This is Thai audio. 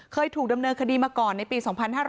เคยถูกดำเนินคดีมาก่อนในปี๒๕๕๙